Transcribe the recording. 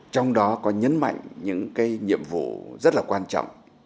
trong đó có nhấn mạnh những cái nhiệm vụ rất là quan trọng